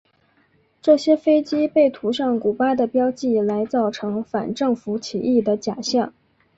这些飞机被涂上古巴的标记来造成反政府起义的假象。